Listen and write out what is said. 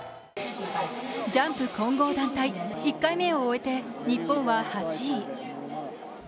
ジャンプ混合団体１回目を終えて日本は８位。